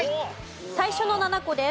最初の７個です。